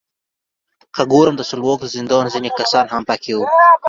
که ګورم د سلواک د زندان ځینې کسان هم پکې وو.